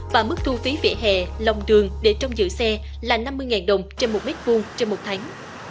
và mức thu phí vệ hệ lòng đường để trong giữ xe là năm mươi đồng trên một m hai trên một tháng